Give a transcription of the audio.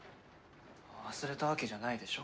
忘れたわけじゃないでしょ？